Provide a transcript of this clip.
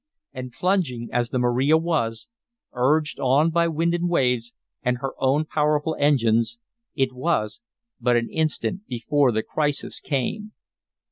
And plunging as the Maria was, urged on by wind and waves and her own powerful engines, it was but an instant before the crisis came.